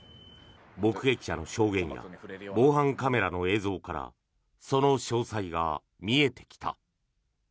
目撃者の証言や防犯カメラの映像からその詳細が見えてきた。